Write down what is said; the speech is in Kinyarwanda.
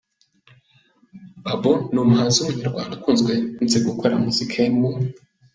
Babo ni umuhanzi w'umunyarwanda ukunze gukorera muzika ye mu.